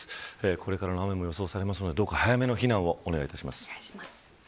これからの雨も予想されるのでどうか早めの避難をお願いします。